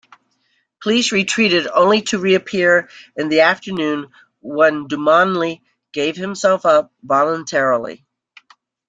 Police retreated only to reappear in the afternoon when Dumanli gave himself up voluntarily.